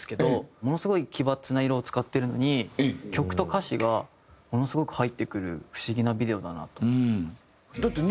ものすごい奇抜な色を使ってるのに曲と歌詞がものすごく入ってくる不思議なビデオだなと思いますね。